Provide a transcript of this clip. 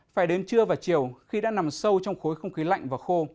phải đến trưa và chiều khi đã nằm sâu trong khối không khí lạnh và khô